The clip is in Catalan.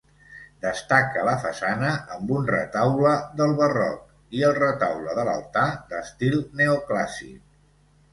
Destaca la façana, amb un retaule del Barroc, i el retaule de l'altar d'estil neoclàssic.